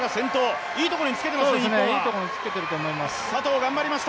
日本、いいところにつけていると思います。